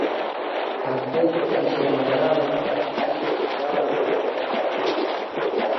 ہاتڅ اشارنگہ اری آلانݣ اراماکا